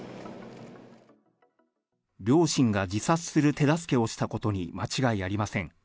両親が自殺する手助けをしたことに間違いありません。